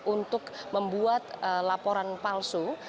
untuk membuat laporan palsu